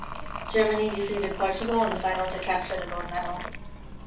Germany defeated Portugal in the final to capture the gold medal.